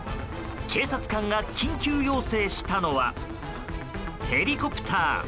警察官が緊急要請したのはヘリコプター。